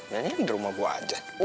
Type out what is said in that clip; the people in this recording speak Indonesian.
mendingan di rumah gua aja